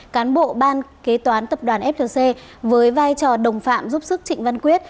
cán bộ ban kế toán tập đoàn flc với vai trò đồng phạm giúp sức trịnh văn quyết